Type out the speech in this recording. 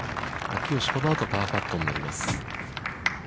秋吉、この後パーパットになります。